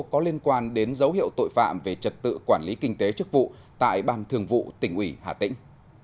có liên quan đến dấu hiệu tội phạm về trật tự quản lý kinh tế chức vụ tại ban thường vụ tỉnh ủy hà tĩnh